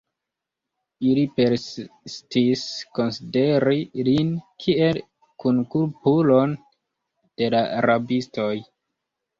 Ili persistis konsideri lin kiel kunkulpulon de la rabistoj.